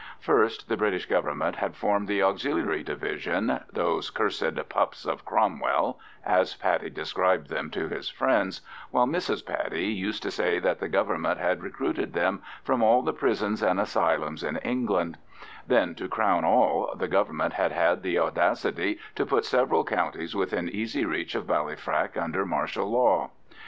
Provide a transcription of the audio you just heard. First, the British Government had formed the Auxiliary Division—"those cursed pups of Cromwell," as Paddy described them to his friends, while Mrs Paddy used to say that the Government had recruited them from all the prisons and asylums in England; then, to crown all, the Government had had the audacity to put several counties within easy reach of Ballyfrack under martial law.